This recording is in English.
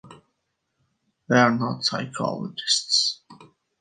We are not psychologists.